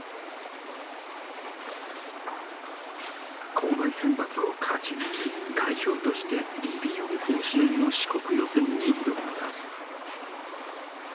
校内選抜を勝ち抜き代表として理美容甲子園の四国予選に挑むのだ。